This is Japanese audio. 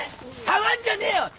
触んじゃねえよ！